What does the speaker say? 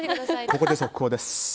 ここで速報です。